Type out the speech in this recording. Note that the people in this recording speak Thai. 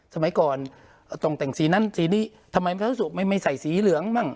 สมัยก่อนต้องแต่งสีนั้นสีนี้ทำไมพระสุกไม่ใส่สีเหลืองบ้าง